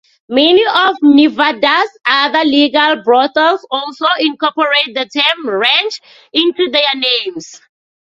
Many of Nevada's other legal brothels also incorporate the term "ranch" into their names.